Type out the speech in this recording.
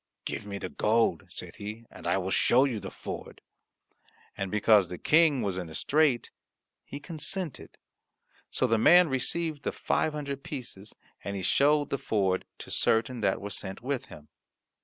"Give me the gold," said he, "and I will show you the ford." And because the King was in a strait, he consented; so the man received the five hundred pieces, and he showed the ford to certain that were sent with him.